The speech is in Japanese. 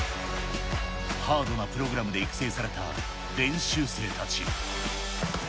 ハードなプログラムで育成された練習生たち。